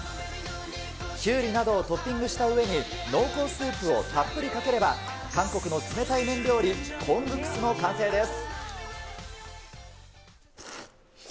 キュウリなどをトッピングした上に濃厚スープをたっぷりかければ、韓国の冷たい麺料理、コングクスの完成です。